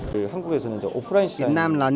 việt nam là nước có nhiều tiềm năng